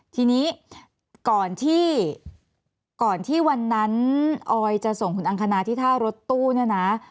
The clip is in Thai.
ทีนี้ก่อนที่ก่อนที่วันนั้นออยจะส่งคุณอังคณาที่ท่ารถตู้เนี่ยนะ